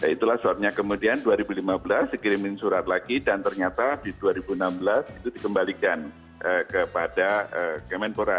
itulah sebabnya kemudian dua ribu lima belas dikirimin surat lagi dan ternyata di dua ribu enam belas itu dikembalikan kepada kemenpora